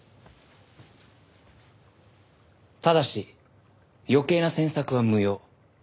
ただし余計な詮索は無用。